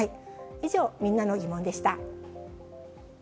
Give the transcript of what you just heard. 以上、みんなのギモンでした。